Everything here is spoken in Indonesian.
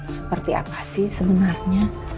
seperti apa sih sebenarnya